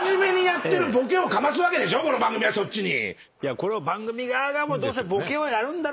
これは番組側がどうせボケをやるんだろ？